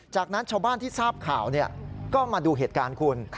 จากนั้นชาวบ้านที่ทราบข่าวก็มาดูเหตุการณ์คุณ